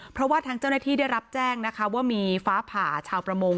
เพราะว่าทางเจ้าหน้าที่ได้รับแจ้งนะคะว่ามีฟ้าผ่าชาวประมง